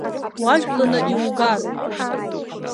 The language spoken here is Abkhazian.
Уажәланы иугароуп!